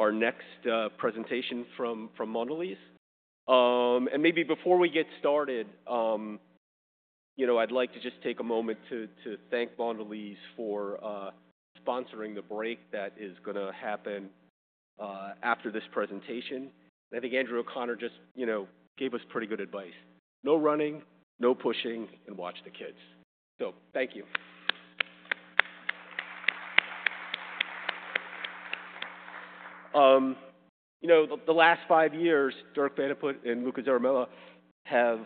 For our next presentation from Mondelez, and maybe before we get started, I'd like to just take a moment to thank Mondelez for sponsoring the break that is going to happen after this presentation. I think Andrew O'Connor just gave us pretty good advice: no running, no pushing, and watch the kids, so thank you. The last five years, Dirk Van de Put and Luca Zaramella have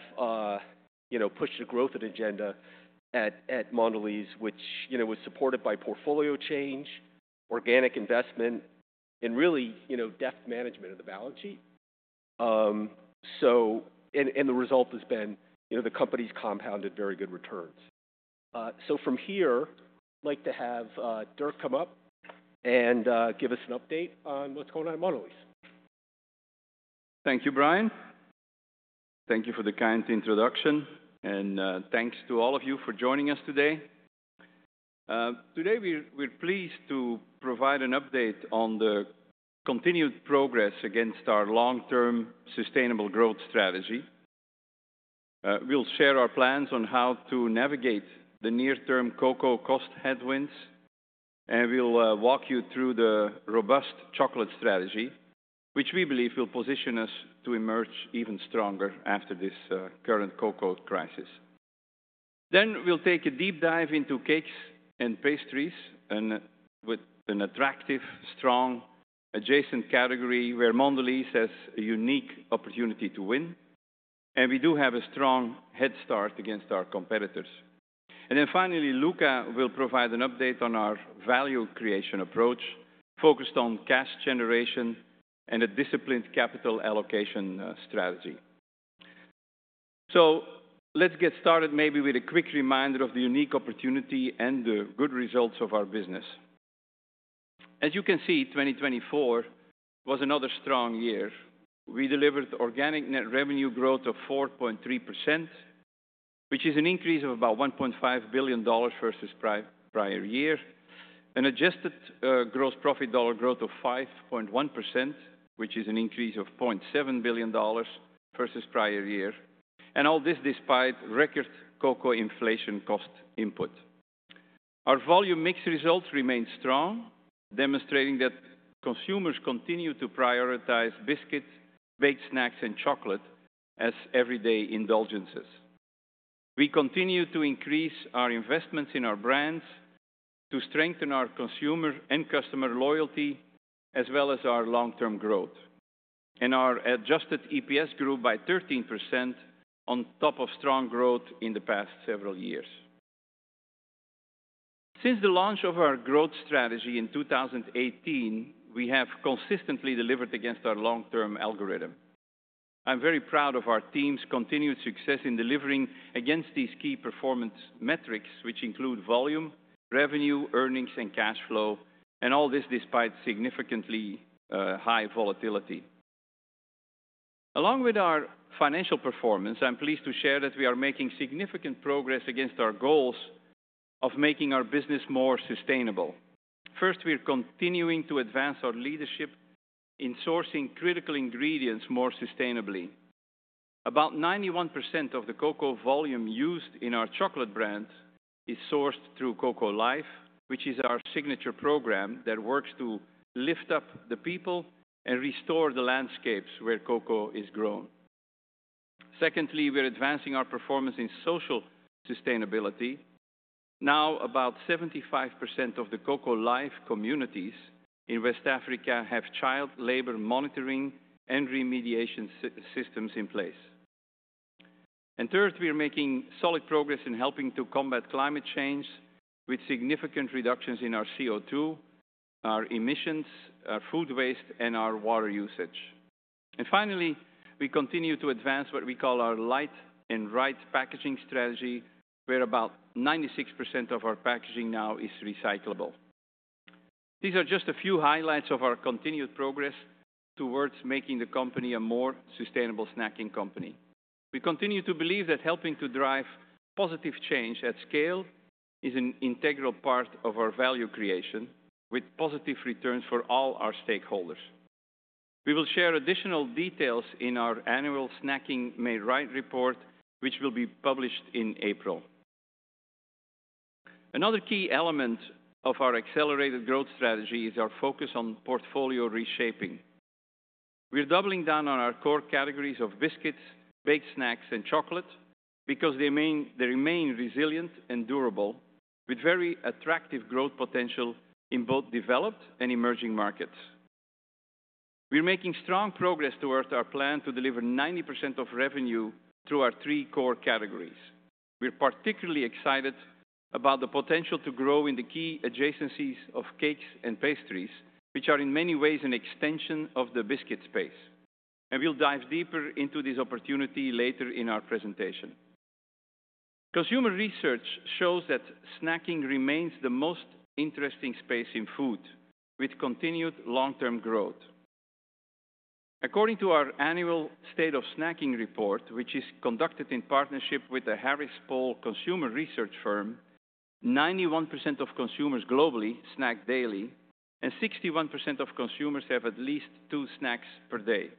pushed a growth agenda at Mondelez, which was supported by portfolio change, organic investment, and really debt management of the balance sheet, and the result has been the company's compounded very good returns, so from here, I'd like to have Dirk come up and give us an update on what's going on at Mondelez. Thank you, Bryan. Thank you for the kind introduction. Thanks to all of you for joining us today. Today, we're pleased to provide an update on the continued progress against our long-term sustainable growth strategy. We'll share our plans on how to navigate the near-term cocoa cost headwinds, and we'll walk you through the robust chocolate strategy, which we believe will position us to emerge even stronger after this current cocoa crisis. Then we'll take a deep dive into cakes and pastries with an attractive, strong adjacent category where Mondelez has a unique opportunity to win. We do have a strong head start against our competitors. Then finally, Luca will provide an update on our value creation approach focused on cash generation and a disciplined capital allocation strategy. So let's get started maybe with a quick reminder of the unique opportunity and the good results of our business. As you can see, 2024 was another strong year. We delivered organic net revenue growth of 4.3%, which is an increase of about $1.5 billion versus prior year, an adjusted gross profit dollar growth of 5.1%, which is an increase of $0.7 billion versus prior year. And all this despite record cocoa inflation cost input. Our volume mix results remain strong, demonstrating that consumers continue to prioritize biscuits, baked snacks, and chocolate as everyday indulgences. We continue to increase our investments in our brands to strengthen our consumer and customer loyalty, as well as our long-term growth. And our adjusted EPS grew by 13% on top of strong growth in the past several years. Since the launch of our growth strategy in 2018, we have consistently delivered against our long-term algorithm. I'm very proud of our team's continued success in delivering against these key performance metrics, which include volume, revenue, earnings, and cash flow, and all this despite significantly high volatility. Along with our financial performance, I'm pleased to share that we are making significant progress against our goals of making our business more sustainable. First, we're continuing to advance our leadership in sourcing critical ingredients more sustainably. About 91% of the cocoa volume used in our chocolate brand is sourced through Cocoa Life, which is our signature program that works to lift up the people and restore the landscapes where cocoa is grown. Secondly, we're advancing our performance in social sustainability. Now, about 75% of the Cocoa Life communities in West Africa have child labor monitoring and remediation systems in place. And third, we're making solid progress in helping to combat climate change with significant reductions in our CO2, our emissions, our food waste, and our water usage. And finally, we continue to advance what we call our light and right packaging strategy, where about 96% of our packaging now is recyclable. These are just a few highlights of our continued progress towards making the company a more sustainable snacking company. We continue to believe that helping to drive positive change at scale is an integral part of our value creation with positive returns for all our stakeholders. We will share additional details in our annual Snacking Made Right report, which will be published in April. Another key element of our accelerated growth strategy is our focus on portfolio reshaping. We're doubling down on our core categories of biscuits, baked snacks, and chocolate because they remain resilient and durable, with very attractive growth potential in both developed and emerging markets. We're making strong progress towards our plan to deliver 90% of revenue through our three core categories. We're particularly excited about the potential to grow in the key adjacencies of cakes and pastries, which are in many ways an extension of the biscuit space, and we'll dive deeper into this opportunity later in our presentation. Consumer research shows that snacking remains the most interesting space in food, with continued long-term growth. According to our annual State of Snacking report, which is conducted in partnership with the Harris Poll consumer research firm, 91% of consumers globally snack daily, and 61% of consumers have at least two snacks per day.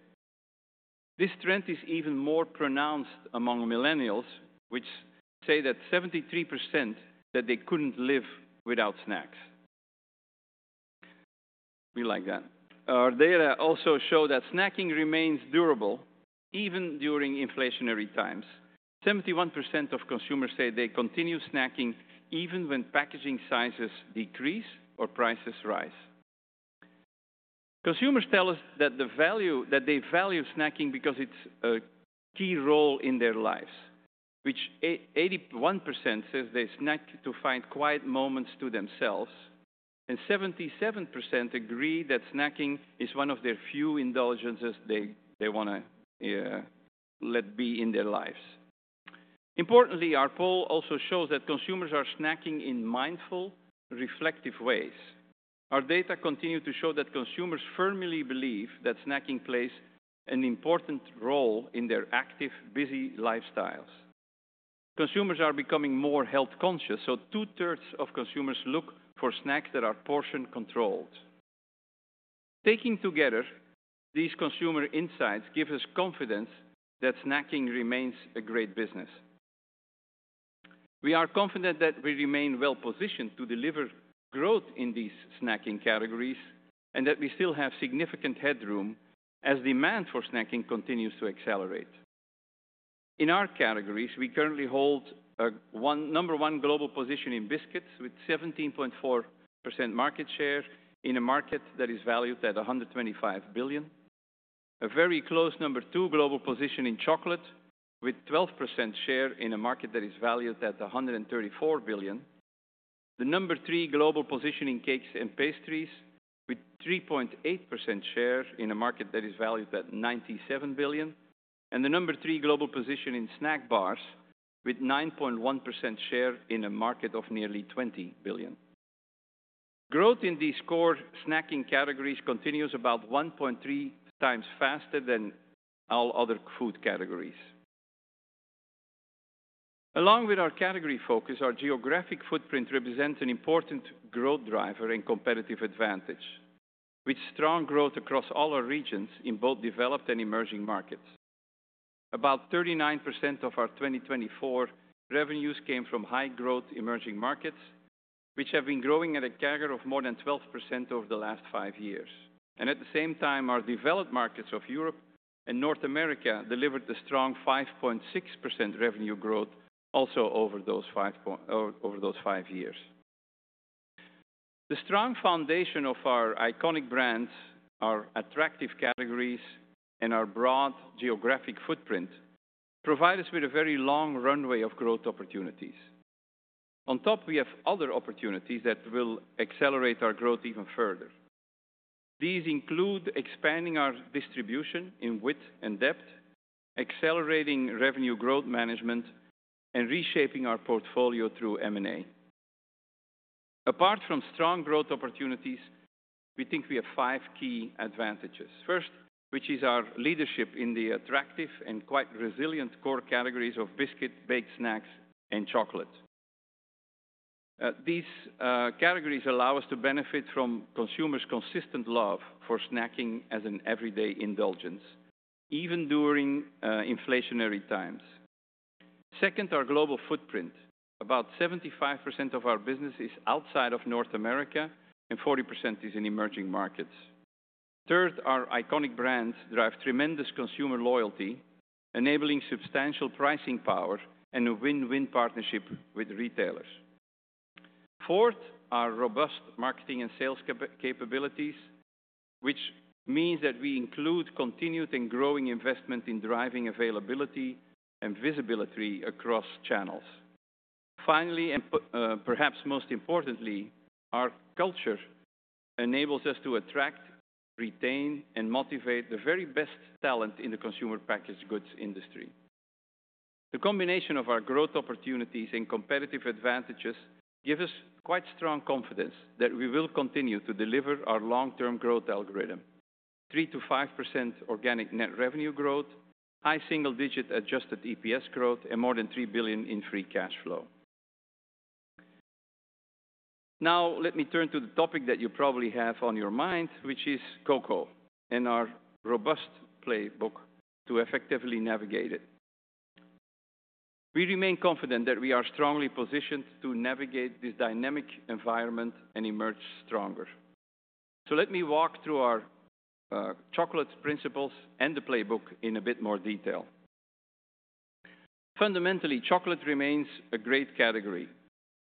This trend is even more pronounced among millennials; 73% say that they couldn't live without snacks. We like that. Our data also show that snacking remains durable even during inflationary times. 71% of consumers say they continue snacking even when packaging sizes decrease or prices rise. Consumers tell us that they value snacking because it plays a key role in their lives; 81% say they snack to find quiet moments to themselves, and 77% agree that snacking is one of their few indulgences they want to let be in their lives. Importantly, our poll also shows that consumers are snacking in mindful, reflective ways. Our data continue to show that consumers firmly believe that snacking plays an important role in their active, busy lifestyles. Consumers are becoming more health-conscious, so two-thirds of consumers look for snacks that are portion-controlled. Taking together these consumer insights gives us confidence that snacking remains a great business. We are confident that we remain well positioned to deliver growth in these snacking categories and that we still have significant headroom as demand for snacking continues to accelerate. In our categories, we currently hold number one global position in biscuits with 17.4% market share in a market that is valued at $125 billion, a very close number two global position in chocolate with 12% share in a market that is valued at $134 billion, the number three global position in cakes and pastries with 3.8% share in a market that is valued at $97 billion, and the number three global position in snack bars with 9.1% share in a market of nearly $20 billion. Growth in these core snacking categories continues about 1.3 times faster than all other food categories. Along with our category focus, our geographic footprint represents an important growth driver and competitive advantage, with strong growth across all our regions in both developed and emerging markets. About 39% of our 2024 revenues came from high-growth emerging markets, which have been growing at a CAGR of more than 12% over the last five years. And at the same time, our developed markets of Europe and North America delivered a strong 5.6% revenue growth also over those five years. The strong foundation of our iconic brands, our attractive categories, and our broad geographic footprint provide us with a very long runway of growth opportunities. On top, we have other opportunities that will accelerate our growth even further. These include expanding our distribution in width and depth, accelerating revenue growth management, and reshaping our portfolio through M&A. Apart from strong growth opportunities, we think we have five key advantages. First, which is our leadership in the attractive and quite resilient core categories of biscuit, baked snacks, and chocolate. These categories allow us to benefit from consumers' consistent love for snacking as an everyday indulgence, even during inflationary times. Second, our global footprint. About 75% of our business is outside of North America, and 40% is in emerging markets. Third, our iconic brands drive tremendous consumer loyalty, enabling substantial pricing power and a win-win partnership with retailers. Fourth, our robust marketing and sales capabilities, which means that we include continued and growing investment in driving availability and visibility across channels. Finally, and perhaps most importantly, our culture enables us to attract, retain, and motivate the very best talent in the consumer packaged goods industry. The combination of our growth opportunities and competitive advantages gives us quite strong confidence that we will continue to deliver our long-term growth algorithm: 3%-5% organic net revenue growth, high single-digit adjusted EPS growth, and more than $3 billion in free cash flow. Now, let me turn to the topic that you probably have on your mind, which is cocoa and our robust playbook to effectively navigate it. We remain confident that we are strongly positioned to navigate this dynamic environment and emerge stronger. So let me walk through our chocolate principles and the playbook in a bit more detail. Fundamentally, chocolate remains a great category.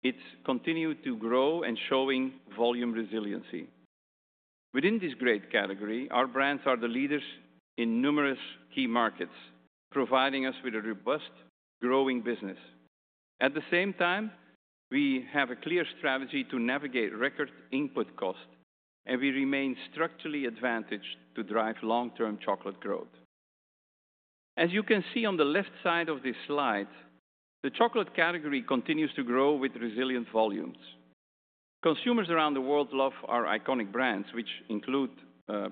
It's continued to grow and showing volume resiliency. Within this great category, our brands are the leaders in numerous key markets, providing us with a robust, growing business. At the same time, we have a clear strategy to navigate record input cost, and we remain structurally advantaged to drive long-term chocolate growth. As you can see on the left side of this slide, the chocolate category continues to grow with resilient volumes. Consumers around the world love our iconic brands, which include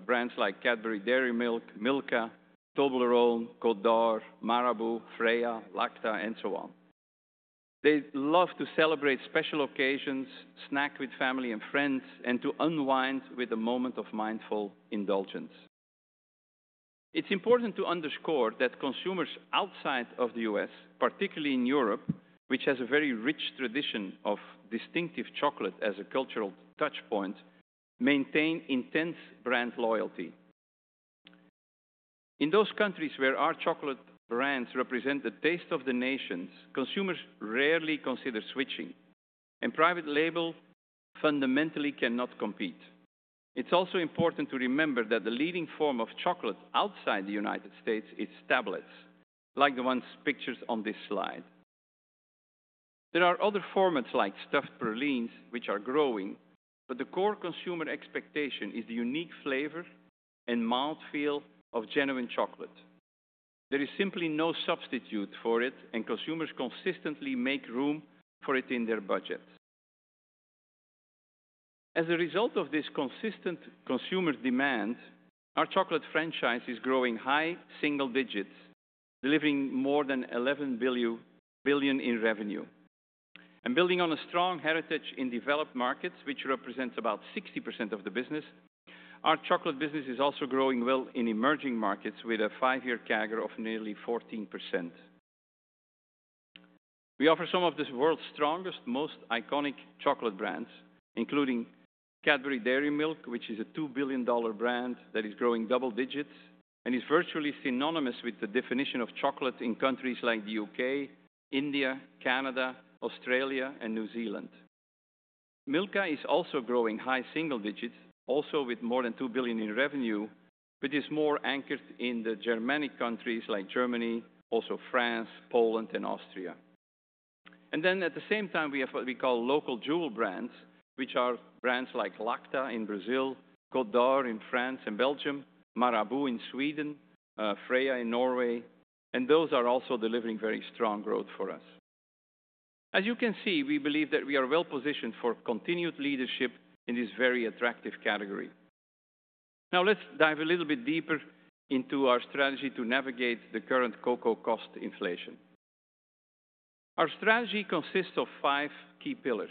brands like Cadbury Dairy Milk, Milka, Toblerone, Côte d'Or, Marabou, Freia, Lacta, and so on. They love to celebrate special occasions, snack with family and friends, and to unwind with a moment of mindful indulgence. It's important to underscore that consumers outside of the U.S., particularly in Europe, which has a very rich tradition of distinctive chocolate as a cultural touchpoint, maintain intense brand loyalty. In those countries where our chocolate brands represent the taste of the nations, consumers rarely consider switching, and private label fundamentally cannot compete. It's also important to remember that the leading form of chocolate outside the United States is tablets, like the ones pictured on this slide. There are other formats like stuffed pralines, which are growing, but the core consumer expectation is the unique flavor and mouthfeel of genuine chocolate. There is simply no substitute for it, and consumers consistently make room for it in their budget. As a result of this consistent consumer demand, our chocolate franchise is growing high single digits, delivering more than $11 billion in revenue, building on a strong heritage in developed markets, which represents about 60% of the business. Our chocolate business is also growing well in emerging markets with a five-year CAGR of nearly 14%. We offer some of the world's strongest, most iconic chocolate brands, including Cadbury Dairy Milk, which is a $2 billion brand that is growing double digits and is virtually synonymous with the definition of chocolate in countries like the U.K., India, Canada, Australia, and New Zealand. Milka is also growing high single digits, also with more than $2 billion in revenue, but is more anchored in the Germanic countries like Germany, also France, Poland, and Austria. And then, at the same time, we have what we call local jewel brands, which are brands like Lacta in Brazil, Côte d'Or in France and Belgium, Marabou in Sweden, Freia in Norway, and those are also delivering very strong growth for us. As you can see, we believe that we are well positioned for continued leadership in this very attractive category. Now, let's dive a little bit deeper into our strategy to navigate the current cocoa cost inflation. Our strategy consists of five key pillars.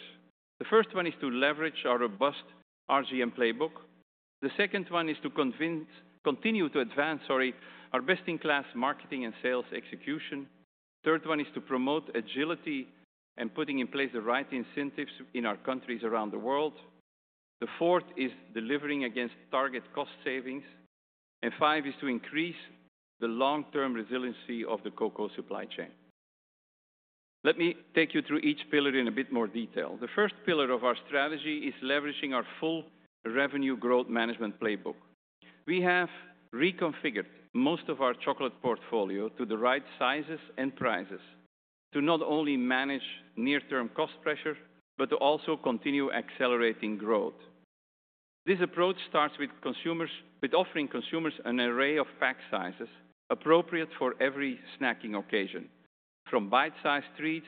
The first one is to leverage our robust RGM playbook. The second one is to continue to advance, sorry, our best-in-class marketing and sales execution. The third one is to promote agility and putting in place the right incentives in our countries around the world. The fourth is delivering against target cost savings. And five is to increase the long-term resiliency of the cocoa supply chain. Let me take you through each pillar in a bit more detail. The first pillar of our strategy is leveraging our full revenue growth management playbook. We have reconfigured most of our chocolate portfolio to the right sizes and prices to not only manage near-term cost pressure, but to also continue accelerating growth. This approach starts with offering consumers an array of pack sizes appropriate for every snacking occasion, from bite-sized treats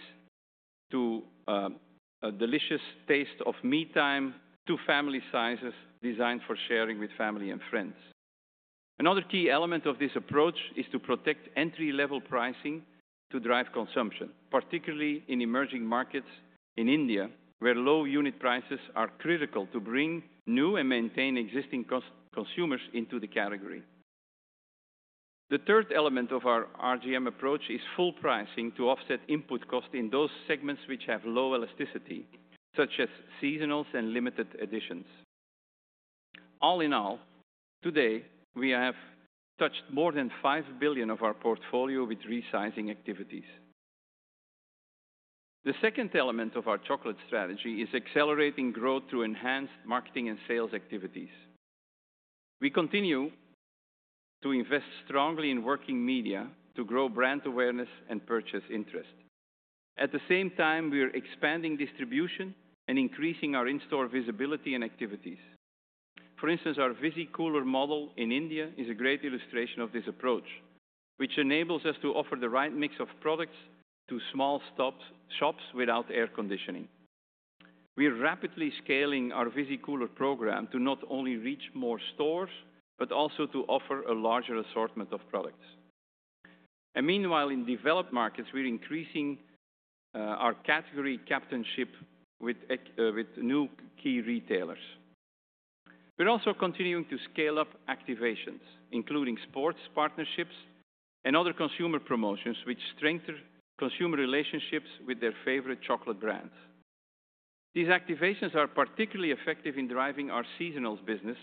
to a delicious taste of me time to family sizes designed for sharing with family and friends. Another key element of this approach is to protect entry-level pricing to drive consumption, particularly in emerging markets in India, where low unit prices are critical to bring new and maintain existing consumers into the category. The third element of our RGM approach is full pricing to offset input cost in those segments which have low elasticity, such as seasonals and limited editions. All in all, today, we have touched more than $5 billion of our portfolio with resizing activities. The second element of our chocolate strategy is accelerating growth through enhanced marketing and sales activities. We continue to invest strongly in working media to grow brand awareness and purchase interest. At the same time, we are expanding distribution and increasing our in-store visibility and activities. For instance, our Visi-Cooler model in India is a great illustration of this approach, which enables us to offer the right mix of products to small shops without air conditioning. We are rapidly scaling our Visi-Cooler program to not only reach more stores, but also to offer a larger assortment of products. And meanwhile, in developed markets, we are increasing our category captainship with new key retailers. We're also continuing to scale up activations, including sports partnerships and other consumer promotions, which strengthen consumer relationships with their favorite chocolate brands. These activations are particularly effective in driving our seasonals business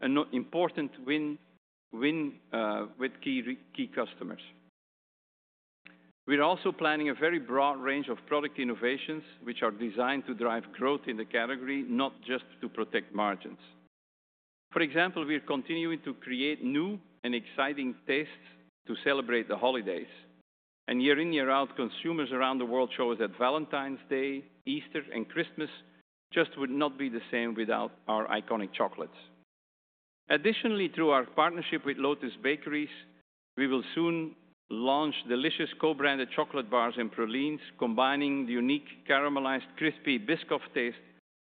and important win-win with key customers. We're also planning a very broad range of product innovations, which are designed to drive growth in the category, not just to protect margins. For example, we are continuing to create new and exciting tastes to celebrate the holidays, and year in, year out, consumers around the world show us that Valentine's Day, Easter, and Christmas just would not be the same without our iconic chocolates. Additionally, through our partnership with Lotus Bakeries, we will soon launch delicious co-branded chocolate bars and pralines, combining the unique caramelized crispy Biscoff taste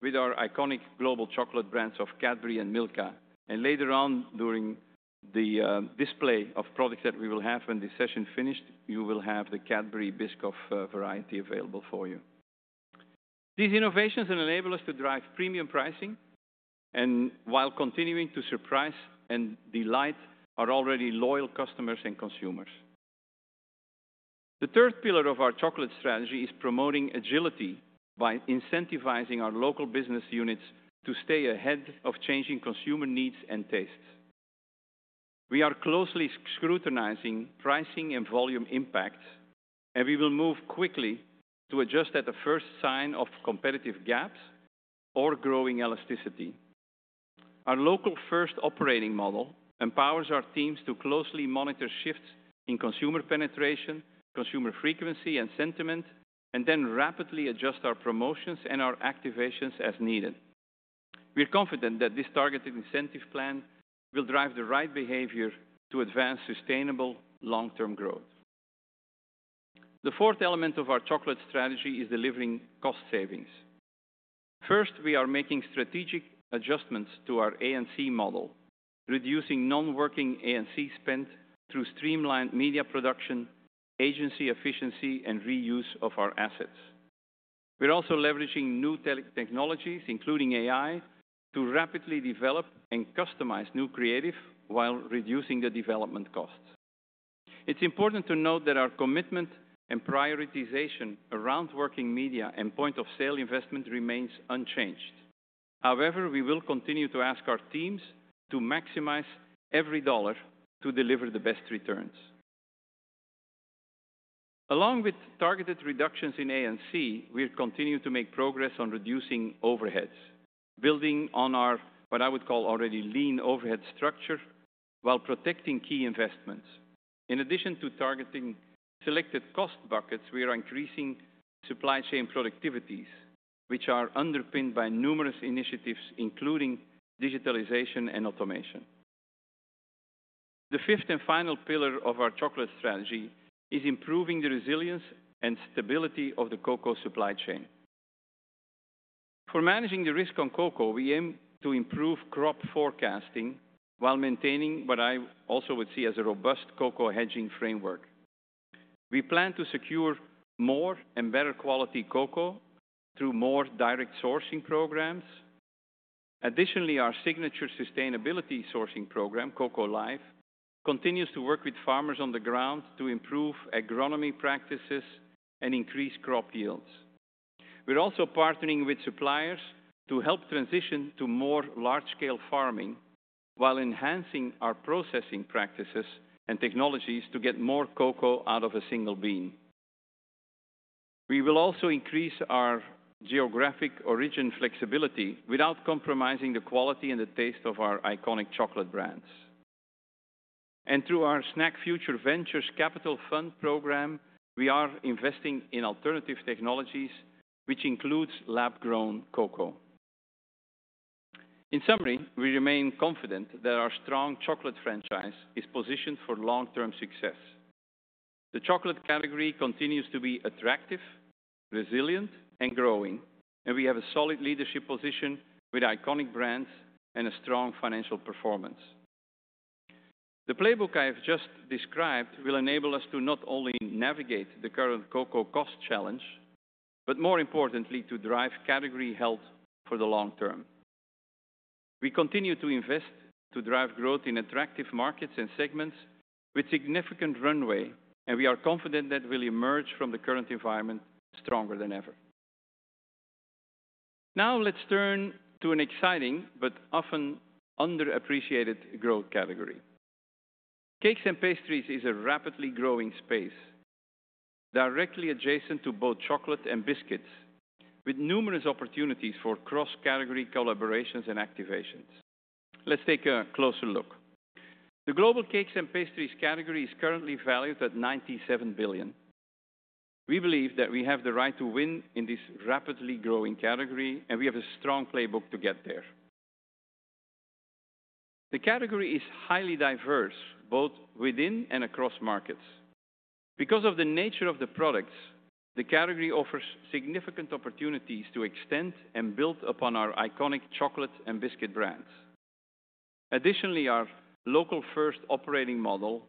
with our iconic global chocolate brands of Cadbury and Milka, and later on, during the display of products that we will have when this session finished, you will have the Cadbury Biscoff variety available for you. These innovations enable us to drive premium pricing while continuing to surprise and delight our already loyal customers and consumers. The third pillar of our chocolate strategy is promoting agility by incentivizing our local business units to stay ahead of changing consumer needs and tastes. We are closely scrutinizing pricing and volume impacts, and we will move quickly to adjust at the first sign of competitive gaps or growing elasticity. Our local-first operating model empowers our teams to closely monitor shifts in consumer penetration, consumer frequency, and sentiment, and then rapidly adjust our promotions and our activations as needed. We're confident that this targeted incentive plan will drive the right behavior to advance sustainable long-term growth. The fourth element of our chocolate strategy is delivering cost savings. First, we are making strategic adjustments to our A&C model, reducing non-working A&C spend through streamlined media production, agency efficiency, and reuse of our assets. We're also leveraging new technologies, including AI, to rapidly develop and customize new creative while reducing the development costs. It's important to note that our commitment and prioritization around working media and point-of-sale investment remains unchanged. However, we will continue to ask our teams to maximize every dollar to deliver the best returns. Along with targeted reductions in A&C, we continue to make progress on reducing overheads, building on our what I would call already lean overhead structure while protecting key investments. In addition to targeting selected cost buckets, we are increasing supply chain productivities, which are underpinned by numerous initiatives, including digitalization and automation. The fifth and final pillar of our chocolate strategy is improving the resilience and stability of the cocoa supply chain. For managing the risk on cocoa, we aim to improve crop forecasting while maintaining what I also would see as a robust cocoa hedging framework. We plan to secure more and better quality cocoa through more direct sourcing programs. Additionally, our signature sustainability sourcing program, Cocoa Life, continues to work with farmers on the ground to improve agronomy practices and increase crop yields. We're also partnering with suppliers to help transition to more large-scale farming while enhancing our processing practices and technologies to get more cocoa out of a single bean. We will also increase our geographic origin flexibility without compromising the quality and the taste of our iconic chocolate brands. And through our SnackFutures Ventures program, we are investing in alternative technologies, which includes lab-grown cocoa. In summary, we remain confident that our strong chocolate franchise is positioned for long-term success. The chocolate category continues to be attractive, resilient, and growing, and we have a solid leadership position with iconic brands and a strong financial performance. The playbook I have just described will enable us to not only navigate the current cocoa cost challenge, but more importantly, to drive category health for the long term. We continue to invest to drive growth in attractive markets and segments with significant runway, and we are confident that we'll emerge from the current environment stronger than ever. Now, let's turn to an exciting but often underappreciated growth category. Cakes and pastries is a rapidly growing space directly adjacent to both chocolate and biscuits, with numerous opportunities for cross-category collaborations and activations. Let's take a closer look. The global cakes and pastries category is currently valued at $97 billion. We believe that we have the right to win in this rapidly growing category, and we have a strong playbook to get there. The category is highly diverse, both within and across markets. Because of the nature of the products, the category offers significant opportunities to extend and build upon our iconic chocolate and biscuit brands. Additionally, our local-first operating model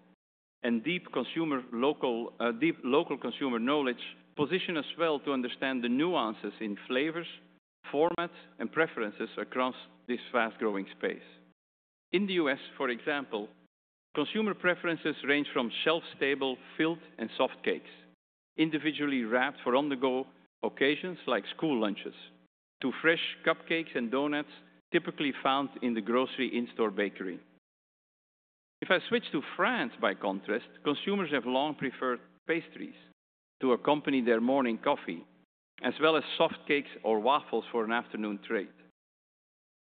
and deep local consumer knowledge position us well to understand the nuances in flavors, formats, and preferences across this fast-growing space. In the U.S., for example, consumer preferences range from shelf-stable filled and soft cakes, individually wrapped for on-the-go occasions like school lunches, to fresh cupcakes and donuts typically found in the grocery in-store bakery. If I switch to France, by contrast, consumers have long preferred pastries to accompany their morning coffee, as well as soft cakes or waffles for an afternoon treat.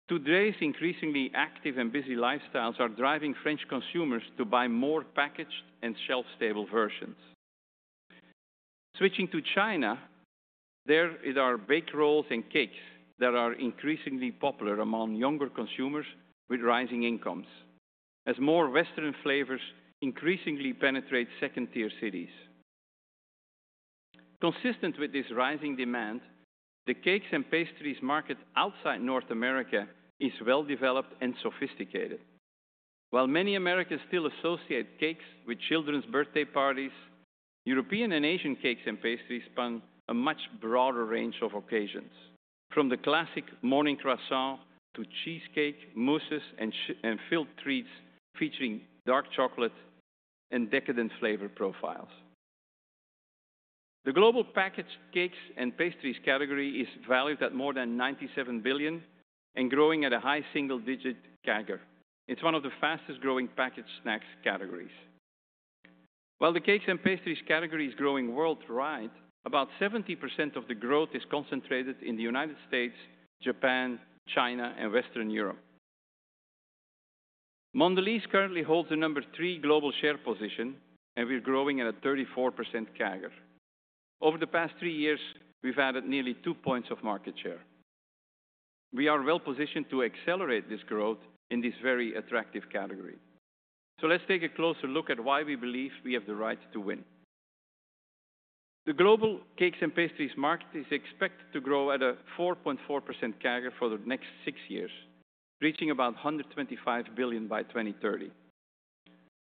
Today's increasingly active and busy lifestyles are driving French consumers to buy more packaged and shelf-stable versions. Switching to China, there are baked rolls and cakes that are increasingly popular among younger consumers with rising incomes, as more Western flavors increasingly penetrate second-tier cities. Consistent with this rising demand, the cakes and pastries market outside North America is well-developed and sophisticated. While many Americans still associate cakes with children's birthday parties, European and Asian cakes and pastries span a much broader range of occasions, from the classic morning croissant to cheesecake, mousses, and filled treats featuring dark chocolate and decadent flavor profiles. The global packaged cakes and pastries category is valued at more than $97 billion and growing at a high single-digit CAGR. It's one of the fastest-growing packaged snacks categories. While the cakes and pastries category is growing worldwide, about 70% of the growth is concentrated in the United States, Japan, China, and Western Europe. Mondelēz currently holds the number three global share position, and we're growing at a 34% CAGR. Over the past three years, we've added nearly two points of market share. We are well-positioned to accelerate this growth in this very attractive category. So let's take a closer look at why we believe we have the right to win. The global cakes and pastries market is expected to grow at a 4.4% CAGR for the next six years, reaching about $125 billion by 2030.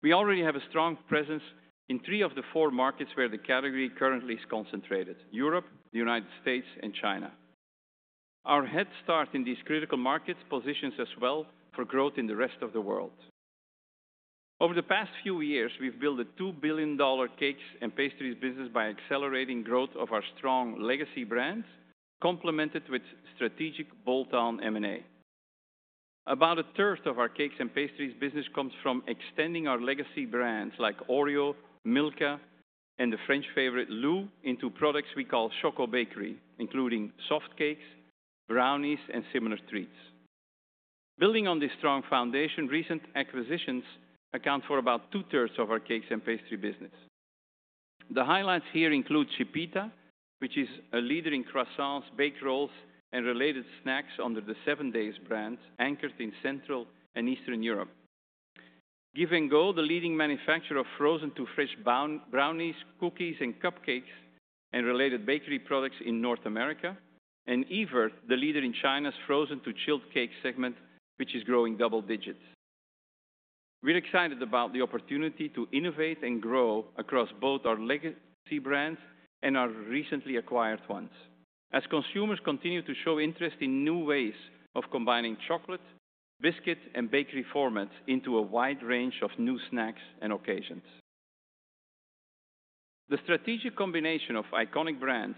We already have a strong presence in three of the four markets where the category currently is concentrated: Europe, the United States, and China. Our head start in these critical markets positions us well for growth in the rest of the world. Over the past few years, we've built a $2 billion cakes and pastries business by accelerating growth of our strong legacy brands, complemented with strategic bolt-on M&A. About a third of our cakes and pastries business comes from extending our legacy brands like Oreo, Milka, and the French favorite LU into products we call Chocobakery, including soft cakes, brownies, and similar treats. Building on this strong foundation, recent acquisitions account for about two-thirds of our cakes and pastries business. The highlights here include Chipita, which is a leader in croissants, baked rolls, and related snacks under the 7Days brand, anchored in Central and Eastern Europe. Give & Go, the leading manufacturer of frozen to fresh brownies, cookies, and cupcakes, and related bakery products in North America, and Evirth the leader in China's frozen to chilled cake segment, which is growing double digits. We're excited about the opportunity to innovate and grow across both our legacy brands and our recently acquired ones, as consumers continue to show interest in new ways of combining chocolate, biscuit, and bakery formats into a wide range of new snacks and occasions. The strategic combination of iconic brands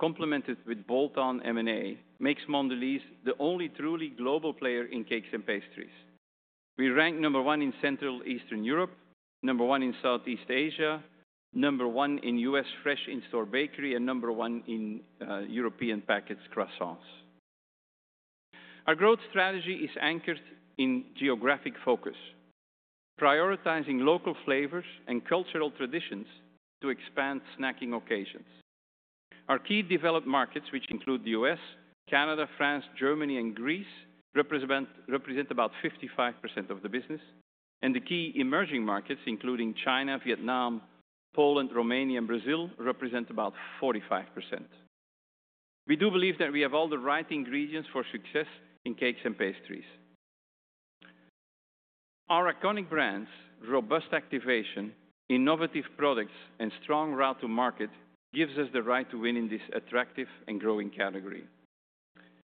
complemented with bolt-on M&A makes Mondelēz the only truly global player in cakes and pastries. We rank number one in Central and Eastern Europe, number one in Southeast Asia, number one in U.S. fresh in-store bakery, and number one in European packaged croissants. Our growth strategy is anchored in geographic focus, prioritizing local flavors and cultural traditions to expand snacking occasions. Our key developed markets, which include the U.S., Canada, France, Germany, and Greece, represent about 55% of the business, and the key emerging markets, including China, Vietnam, Poland, Romania, and Brazil, represent about 45%. We do believe that we have all the right ingredients for success in cakes and pastries. Our iconic brands, robust activation, innovative products, and strong route to market give us the right to win in this attractive and growing category.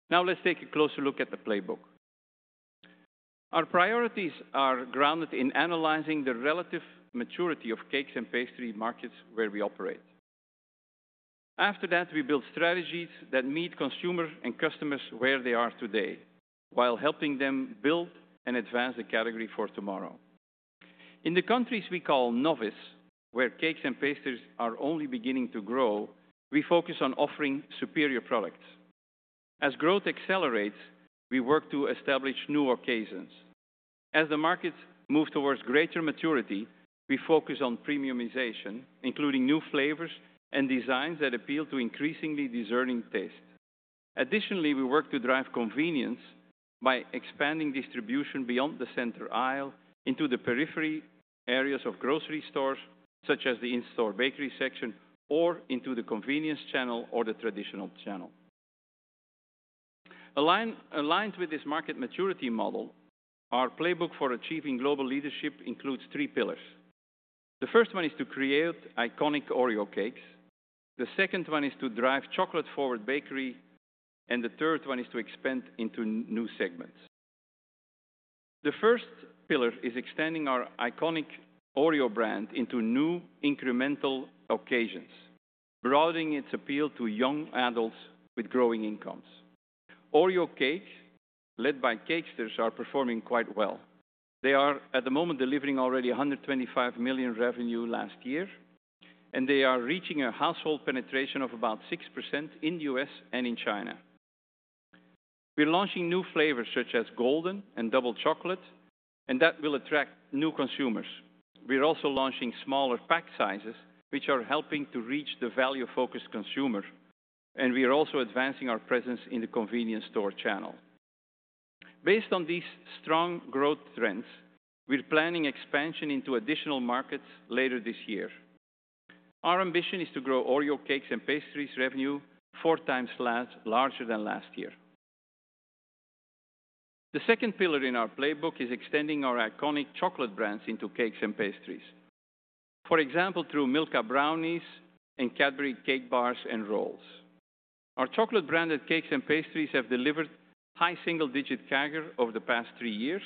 Now, let's take a closer look at the playbook. Our priorities are grounded in analyzing the relative maturity of cakes and pastries markets where we operate. After that, we build strategies that meet consumers and customers where they are today while helping them build and advance the category for tomorrow. In the countries we call novice, where cakes and pastries are only beginning to grow, we focus on offering superior products. As growth accelerates, we work to establish new occasions. As the markets move towards greater maturity, we focus on premiumization, including new flavors and designs that appeal to increasingly discerning tastes. Additionally, we work to drive convenience by expanding distribution beyond the center aisle into the periphery areas of grocery stores, such as the in-store bakery section, or into the convenience channel or the traditional channel. Aligned with this market maturity model, our playbook for achieving global leadership includes three pillars. The first one is to create iconic Oreo cakes. The second one is to drive chocolate-forward bakery, and the third one is to expand into new segments. The first pillar is extending our iconic Oreo brand into new incremental occasions, broadening its appeal to young adults with growing incomes. Oreo cakes, led by Cakesters, are performing quite well. They are, at the moment, delivering already $125 million revenue last year, and they are reaching a household penetration of about 6% in the U.S. and in China. We're launching new flavors such as Golden and Double Chocolate, and that will attract new consumers. We're also launching smaller pack sizes, which are helping to reach the value-focused consumer, and we're also advancing our presence in the convenience store channel. Based on these strong growth trends, we're planning expansion into additional markets later this year. Our ambition is to grow Oreo cakes and pastries revenue four times larger than last year. The second pillar in our playbook is extending our iconic chocolate brands into cakes and pastries, for example, through Milka brownies and Cadbury Cake Bars and rolls. Our chocolate-branded cakes and pastries have delivered high single-digit CAGR over the past three years.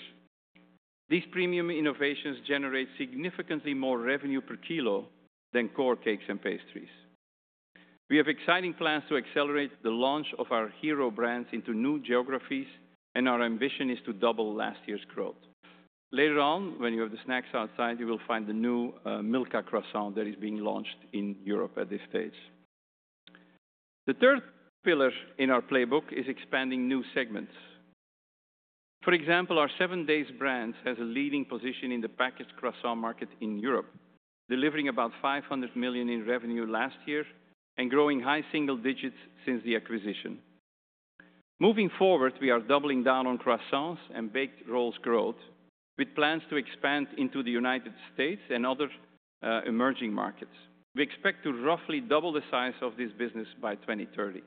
These premium innovations generate significantly more revenue per kilo than core cakes and pastries. We have exciting plans to accelerate the launch of our hero brands into new geographies, and our ambition is to double last year's growth. Later on, when you have the snacks outside, you will find the new Milka croissant that is being launched in Europe at this stage. The third pillar in our playbook is expanding new segments. For example, our 7Days brand has a leading position in the packaged croissant market in Europe, delivering about $500 million in revenue last year and growing high single digits since the acquisition. Moving forward, we are doubling down on croissants and baked rolls growth, with plans to expand into the United States and other emerging markets. We expect to roughly double the size of this business by 2030.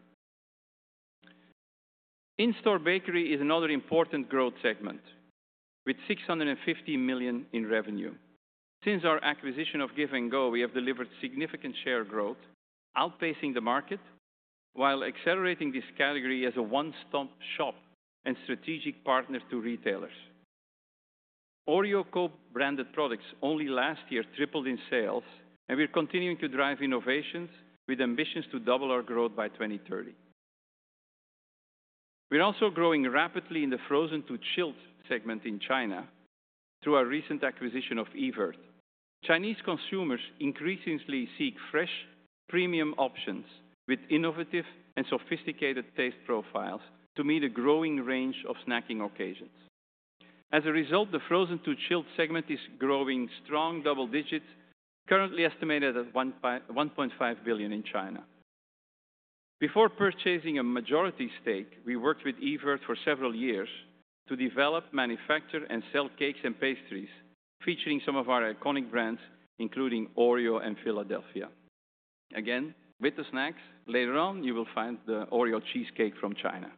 In-store bakery is another important growth segment, with $650 million in revenue. Since our acquisition of Give & Go, we have delivered significant share growth, outpacing the market, while accelerating this category as a one-stop shop and strategic partner to retailers. Oreo co-branded products only last year tripled in sales, and we're continuing to drive innovations with ambitions to double our growth by 2030. We're also growing rapidly in the frozen to chilled segment in China through our recent acquisition of Evirth. Chinese consumers increasingly seek fresh premium options with innovative and sophisticated taste profiles to meet a growing range of snacking occasions. As a result, the frozen to chilled segment is growing strong double digits, currently estimated at $1.5 billion in China. Before purchasing a majority stake, we worked with Evirth for several years to develop, manufacture, and sell cakes and pastries featuring some of our iconic brands, including Oreo and Philadelphia. Again, with the snacks, later on, you will find the Oreo cheesecake from China.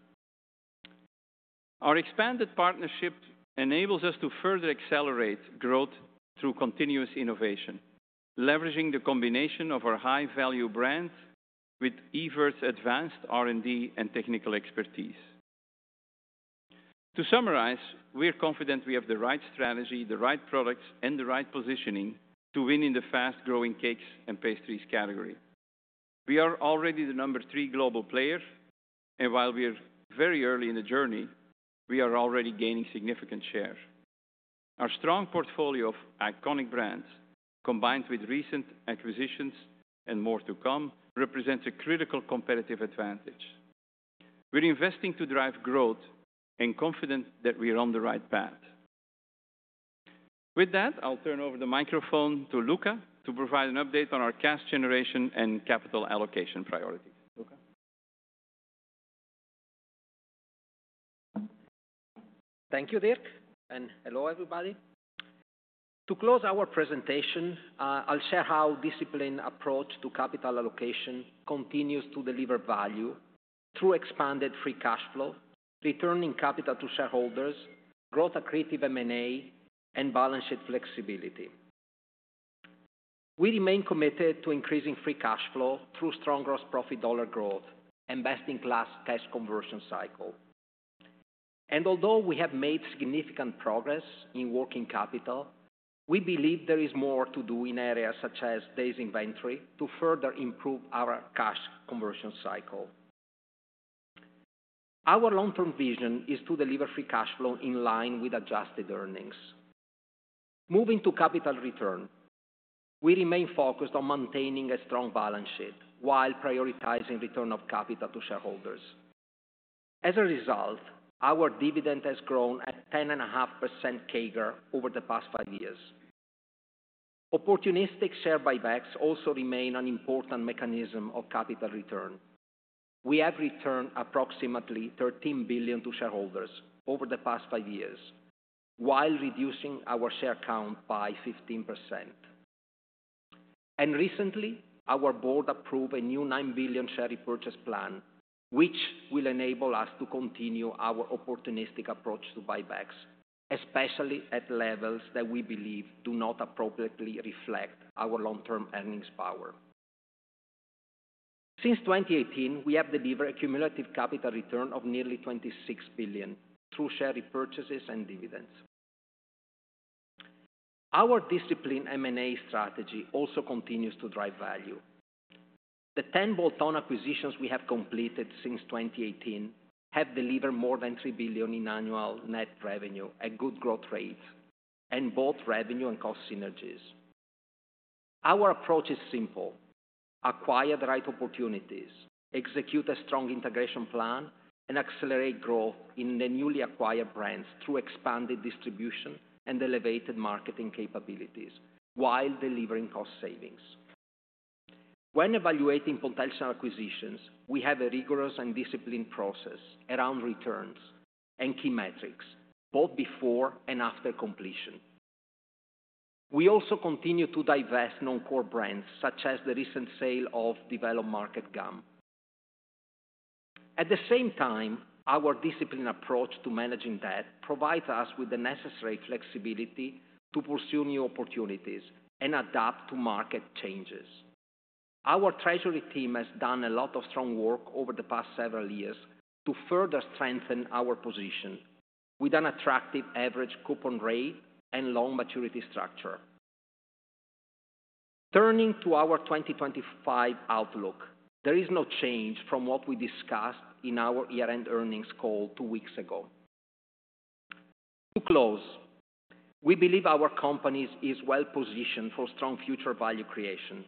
Our expanded partnership enables us to further accelerate growth through continuous innovation, leveraging the combination of our high-value brands with Evirth's advanced R&D and technical expertise. To summarize, we're confident we have the right strategy, the right products, and the right positioning to win in the fast-growing cakes and pastries category. We are already the number three global player, and while we're very early in the journey, we are already gaining significant share. Our strong portfolio of iconic brands, combined with recent acquisitions and more to come, represents a critical competitive advantage. We're investing to drive growth and confident that we're on the right path. With that, I'll turn over the microphone to Luca to provide an update on our cash generation and capital allocation priorities. Luca. Thank you, Dirk, and hello, everybody. To close our presentation, I'll share how discipline approach to capital allocation continues to deliver value through expanded free cash flow, returning capital to shareholders, growth-accretive M&A, and balance sheet flexibility. We remain committed to increasing free cash flow through strong gross profit dollar growth and best-in-class cash conversion cycle, and although we have made significant progress in working capital, we believe there is more to do in areas such as days inventory to further improve our cash conversion cycle. Our long-term vision is to deliver free cash flow in line with adjusted earnings. Moving to capital return, we remain focused on maintaining a strong balance sheet while prioritizing return of capital to shareholders. As a result, our dividend has grown at 10.5% CAGR over the past five years. Opportunistic share buybacks also remain an important mechanism of capital return. We have returned approximately $13 billion to shareholders over the past five years, while reducing our share count by 15%, and recently, our board approved a new $9 billion share repurchase plan, which will enable us to continue our opportunistic approach to buybacks, especially at levels that we believe do not appropriately reflect our long-term earnings power. Since 2018, we have delivered a cumulative capital return of nearly $26 billion through share repurchases and dividends. Our disciplined M&A strategy also continues to drive value. The 10 bolt-on acquisitions we have completed since 2018 have delivered more than $3 billion in annual net revenue at good growth rates and both revenue and cost synergies. Our approach is simple: acquire the right opportunities, execute a strong integration plan, and accelerate growth in the newly acquired brands through expanded distribution and elevated marketing capabilities while delivering cost savings. When evaluating potential acquisitions, we have a rigorous and disciplined process around returns and key metrics, both before and after completion. We also continue to divest non-core brands, such as the recent sale of developed market gum. At the same time, our disciplined approach to managing debt provides us with the necessary flexibility to pursue new opportunities and adapt to market changes. Our treasury team has done a lot of strong work over the past several years to further strengthen our position with an attractive average coupon rate and long maturity structure. Turning to our 2025 outlook, there is no change from what we discussed in our year-end earnings call two weeks ago. To close, we believe our company is well-positioned for strong future value creation.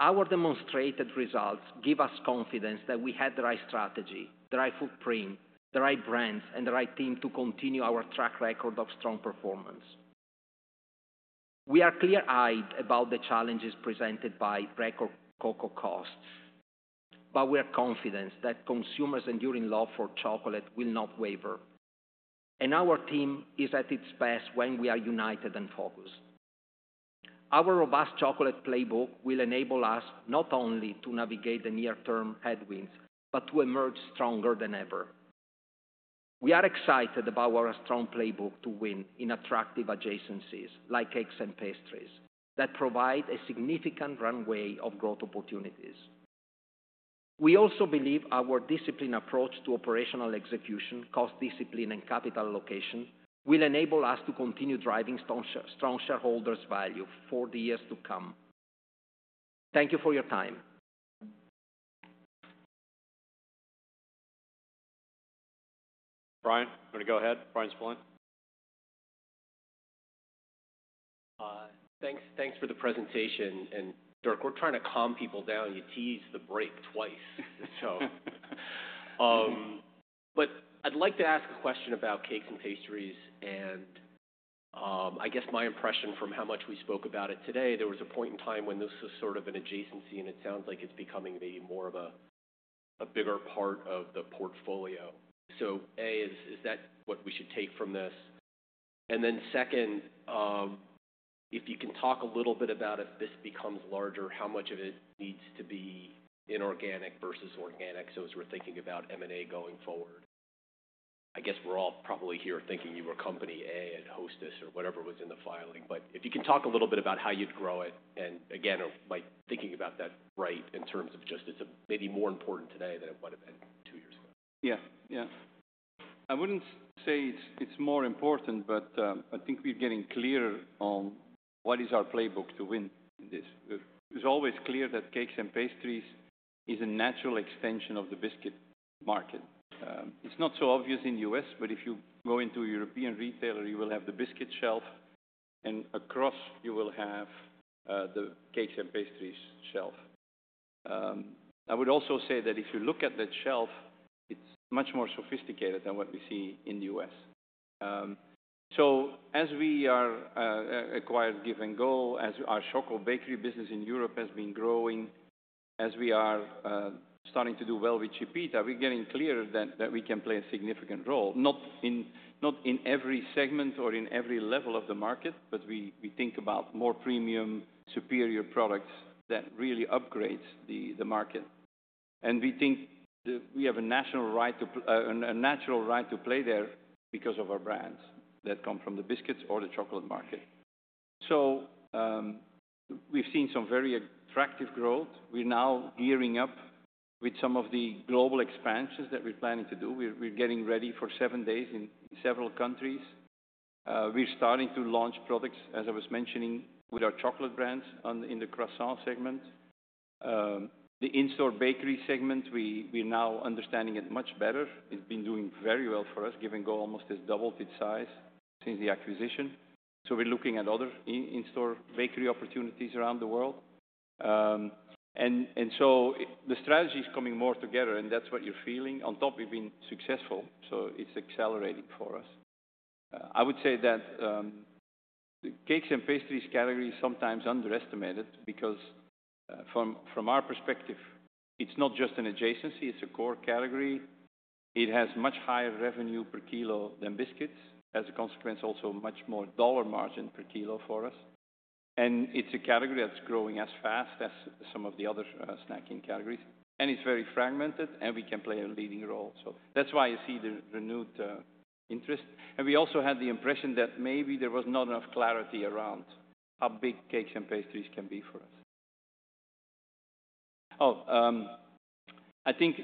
Our demonstrated results give us confidence that we have the right strategy, the right footprint, the right brands, and the right team to continue our track record of strong performance. We are clear-eyed about the challenges presented by record cocoa costs, but we are confident that consumers' enduring love for chocolate will not waver, and our team is at its best when we are united and focused. Our robust chocolate playbook will enable us not only to navigate the near-term headwinds but to emerge stronger than ever. We are excited about our strong playbook to win in attractive adjacencies like cakes and pastries that provide a significant runway of growth opportunities. We also believe our disciplined approach to operational execution, cost discipline, and capital allocation will enable us to continue driving strong shareholders' value for the years to come. Thank you for your time. Bryan, you want to go ahead? Bryan Spillane? Thanks for the presentation. Dirk, we're trying to calm people down. You teased the break twice, so. But I'd like to ask a question about cakes and pastries, and I guess my impression from how much we spoke about it today, there was a point in time when this was sort of an adjacency, and it sounds like it's becoming maybe more of a bigger part of the portfolio. So A, is that what we should take from this? And then second, if you can talk a little bit about if this becomes larger, how much of it needs to be inorganic versus organic, so as we're thinking about M&A going forward. I guess we're all probably here thinking you were Company A at Hostess or whatever was in the filing, but if you can talk a little bit about how you'd grow it, and again, by thinking about that right in terms of just it's maybe more important today than it would have been two years ago. Yeah, yeah. I wouldn't say it's more important, but I think we're getting clearer on what is our playbook to win in this. It's always clear that cakes and pastries is a natural extension of the biscuit market. It's not so obvious in the U.S., but if you go into a European retailer, you will have the biscuit shelf, and across, you will have the cakes and pastries shelf. I would also say that if you look at that shelf, it's much more sophisticated than what we see in the U.S. So, as we are acquired Give & Go, as our chocolate bakery business in Europe has been growing, as we are starting to do well with Chipita, we're getting clearer that we can play a significant role, not in every segment or in every level of the market, but we think about more premium, superior products that really upgrade the market. And we think we have a natural right to play there because of our brands that come from the biscuits or the chocolate market. So we've seen some very attractive growth. We're now gearing up with some of the global expansions that we're planning to do. We're getting ready for 7Days in several countries. We're starting to launch products, as I was mentioning, with our chocolate brands in the croissant segment. The in-store bakery segment, we're now understanding it much better. It's been doing very well for us. Give & Go almost has doubled its size since the acquisition. So we're looking at other in-store bakery opportunities around the world. And so the strategy is coming more together, and that's what you're feeling. On top, we've been successful, so it's accelerating for us. I would say that the cakes and pastries category is sometimes underestimated because from our perspective, it's not just an adjacency. It's a core category. It has much higher revenue per kilo than biscuits. As a consequence, also much more dollar margin per kilo for us. And it's a category that's growing as fast as some of the other snacking categories. And it's very fragmented, and we can play a leading role. So that's why you see the renewed interest. And we also had the impression that maybe there was not enough clarity around how big cakes and pastries can be for us. Oh, I think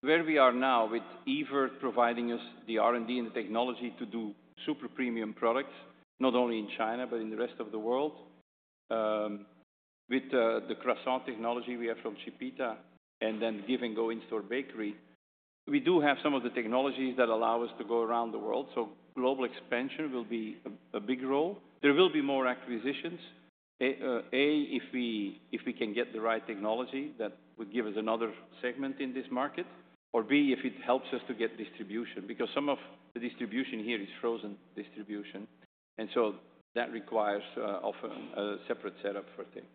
where we are now with Evirth providing us the R&D and the technology to do super premium products, not only in China but in the rest of the world, with the croissant technology we have from Chipita and then Give & Go in-store bakery, we do have some of the technologies that allow us to go around the world. So global expansion will be a big role. There will be more acquisitions. A, if we can get the right technology that would give us another segment in this market, or B, if it helps us to get distribution because some of the distribution here is frozen distribution, and so that requires often a separate setup for things.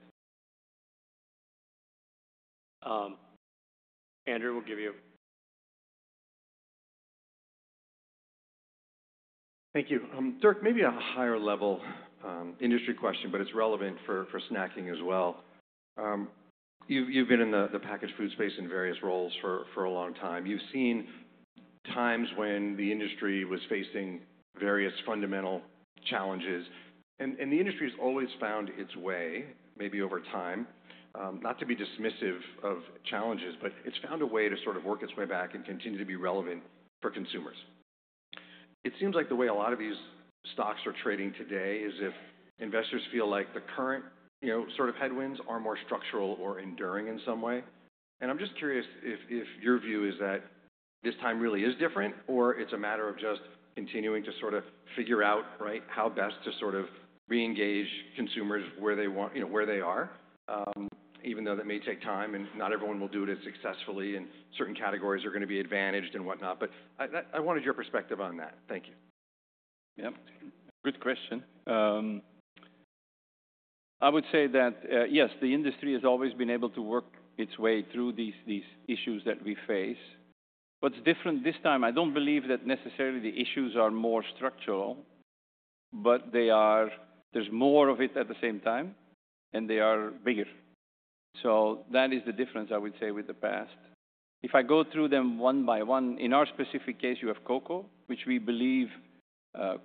Andrew will give you. Thank you. Dirk, maybe a higher-level industry question, but it's relevant for snacking as well. You've been in the packaged food space in various roles for a long time. You've seen times when the industry was facing various fundamental challenges, and the industry has always found its way, maybe over time, not to be dismissive of challenges, but it's found a way to sort of work its way back and continue to be relevant for consumers. It seems like the way a lot of these stocks are trading today is if investors feel like the current sort of headwinds are more structural or enduring in some way. I'm just curious if your view is that this time really is different, or it's a matter of just continuing to sort of figure out, right, how best to sort of re-engage consumers where they are, even though that may take time and not everyone will do it as successfully, and certain categories are going to be advantaged and whatnot? But I wanted your perspective on that. Thank you. Yeah. Good question. I would say that, yes, the industry has always been able to work its way through these issues that we face. What's different this time? I don't believe that necessarily the issues are more structural, but there's more of it at the same time, and they are bigger. So that is the difference, I would say, with the past. If I go through them one by one, in our specific case, you have cocoa, which we believe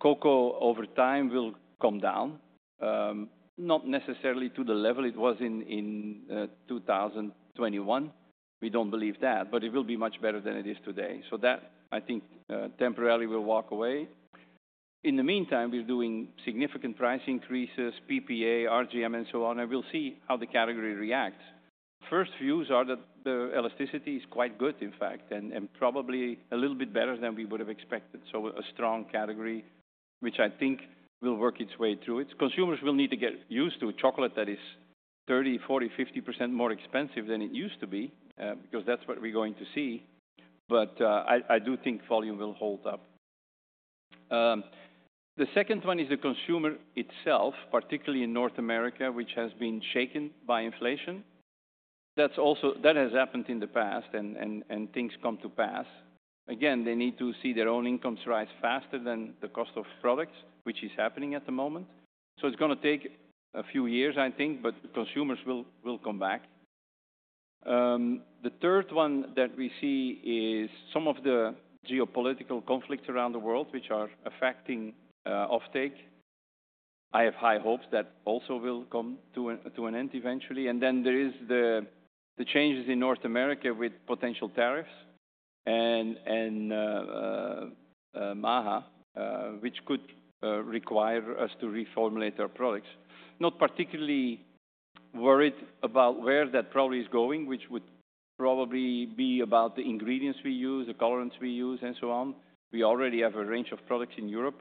cocoa over time will come down, not necessarily to the level it was in 2021. We don't believe that, but it will be much better than it is today. So that, I think, temporarily will walk away. In the meantime, we're doing significant price increases, PPA, RGM, and so on, and we'll see how the category reacts. First views are that the elasticity is quite good, in fact, and probably a little bit better than we would have expected. So a strong category, which I think will work its way through. Consumers will need to get used to chocolate that is 30%, 40%, 50% more expensive than it used to be because that's what we're going to see. But I do think volume will hold up. The second one is the consumer itself, particularly in North America, which has been shaken by inflation. That has happened in the past, and things come to pass. Again, they need to see their own incomes rise faster than the cost of products, which is happening at the moment. So it's going to take a few years, I think, but consumers will come back. The third one that we see is some of the geopolitical conflicts around the world, which are affecting offtake. I have high hopes that also will come to an end eventually. And then there are the changes in North America with potential tariffs and MAHA, which could require us to reformulate our products. Not particularly worried about where that probably is going, which would probably be about the ingredients we use, the colorants we use, and so on. We already have a range of products in Europe.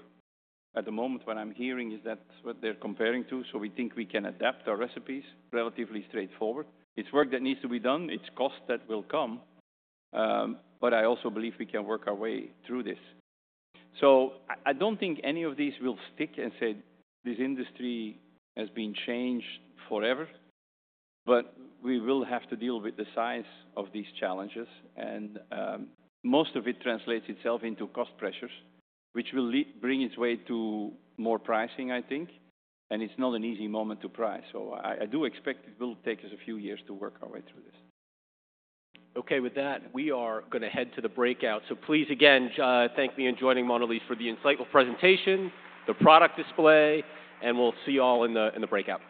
At the moment, what I'm hearing is that's what they're comparing to, so we think we can adapt our recipes. Relatively straightforward. It's work that needs to be done. It's cost that will come. But I also believe we can work our way through this. So I don't think any of these will stick and say this industry has been changed forever, but we will have to deal with the size of these challenges. And most of it translates itself into cost pressures, which will bring its way to more pricing, I think. And it's not an easy moment to price. So I do expect it will take us a few years to work our way through this. Okay, with that, we are going to head to the breakout. Please, again, thank everyone for joining Mondelez for the insightful presentation, the product display, and we'll see you all in the breakout.